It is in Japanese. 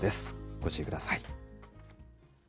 ご注意ください。